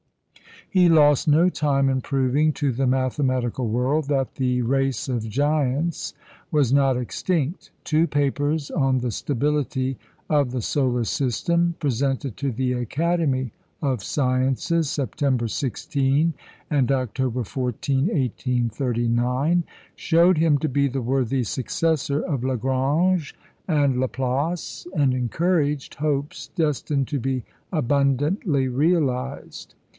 He lost no time in proving to the mathematical world that the race of giants was not extinct. Two papers on the stability of the solar system, presented to the Academy of Sciences, September 16 and October 14, 1839, showed him to be the worthy successor of Lagrange and Laplace, and encouraged hopes destined to be abundantly realised.